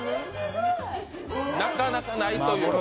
なかなかないという。